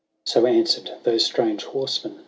So answered those strange horsemen.